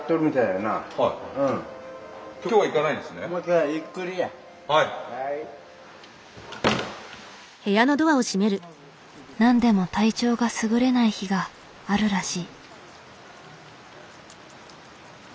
なんでも体調がすぐれない日があるらしい。